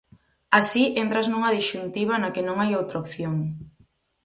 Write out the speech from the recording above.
Así entras nunha disxuntiva na que non hai outra opción.